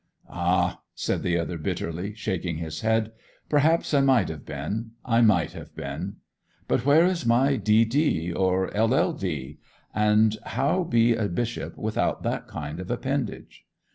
'Ah!' said the other bitterly, shaking his head. 'Perhaps I might have been—I might have been! But where is my D.D. or LL.D.; and how be a bishop without that kind of appendage?